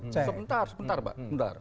sebentar sebentar pak